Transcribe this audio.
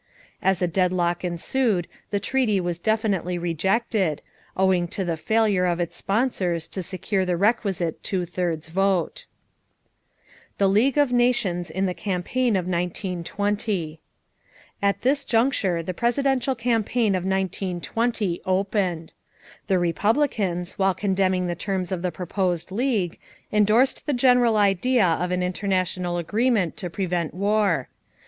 As a deadlock ensued the treaty was definitely rejected, owing to the failure of its sponsors to secure the requisite two thirds vote. [Illustration: EUROPE] =The League of Nations in the Campaign of 1920.= At this juncture the presidential campaign of 1920 opened. The Republicans, while condemning the terms of the proposed League, endorsed the general idea of an international agreement to prevent war.